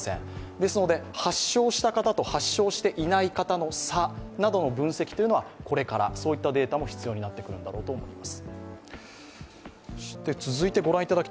ですので、発症した方と発症していない方の差などの分析というのはこれから、そういったデータも必要になってくるんだろうと思います。